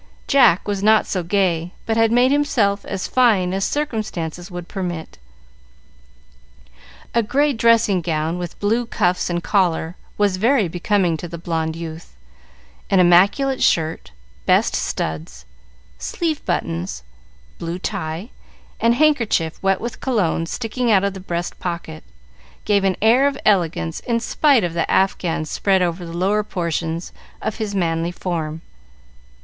Jack was not so gay, but had made himself as fine as circumstances would permit. A gray dressing gown, with blue cuffs and collar, was very becoming to the blonde youth; an immaculate shirt, best studs, sleeve buttons, blue tie, and handkerchief wet with cologne sticking out of the breast pocket, gave an air of elegance in spite of the afghan spread over the lower portions of his manly form.